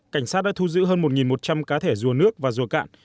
cảnh sát đã thu giữ hơn một một trăm linh cá thể rùa nước và rùa cạn